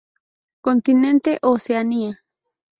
Continente: Oceanía.